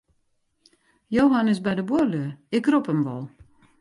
Johan is by de buorlju, ik rop him wol.